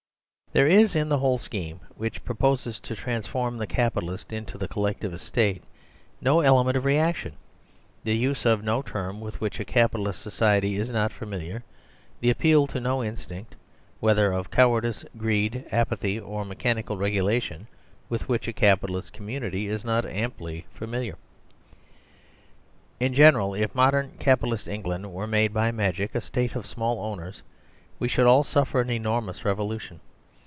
There is in the whole scheme which proposes to transform the Capitalist into the Collectivist State no element of reaction, the use of no term with which a Capitalist society is not familiar, the appeal to no in stinct, whether of cowardice, greed, apathy, or me chanical regulation, with which a Capitalist com munity is not amply familiar. In general, if modern Capitalist England were made by magic a State of small owners, we should all suffer an enormous revolution.